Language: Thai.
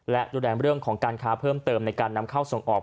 และดูแลเรื่องของการค้าเพิ่มเติมในการนำเข้าส่งออก